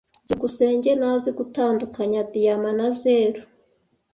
byukusenge ntazi gutandukanya diyama na zeru.